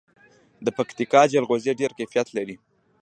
د پکتیکا جلغوزي ډیر کیفیت لري.